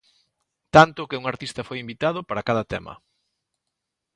Tanto, que un artista foi invitado para cada tema.